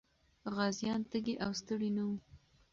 غازيان تږي او ستړي نه وو.